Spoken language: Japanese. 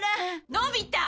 のび太！